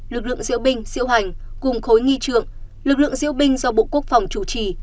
lực lượng diệu bình diệu hành cùng khối nghi trượng lực lượng diệu bình do bộ quốc phòng chủ trì